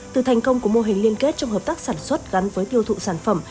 từ thành công của mô hình liên kết trong hợp tác sản xuất gắn với tiêu thụ sản phẩm